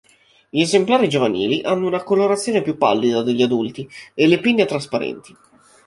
Gli esemplari giovanili hanno una colorazione più pallida degli adulti e le pinne trasparenti.